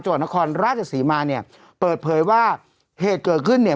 จังหวัดนครราชศรีมาเนี่ยเปิดเผยว่าเหตุเกิดขึ้นเนี่ย